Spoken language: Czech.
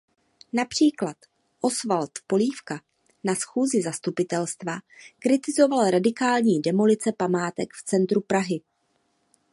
Například Osvald Polívka na schůzi zastupitelstva kritizoval radikální demolice památek v centru Prahy.